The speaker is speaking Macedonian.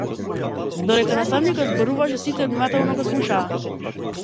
Додека наставникот зборуваше сите внимателно го слушаа.